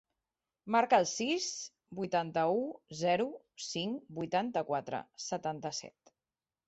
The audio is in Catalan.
Marca el sis, vuitanta-u, zero, cinc, vuitanta-quatre, setanta-set.